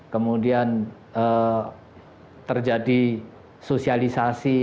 kemudian terjadi sosialisasi